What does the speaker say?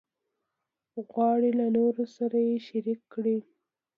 غواړي له نورو سره یې شریک کړي.